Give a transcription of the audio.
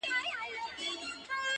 ماته يې په نيمه شپه ژړلي دي.